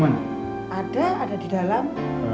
ada ada di dalam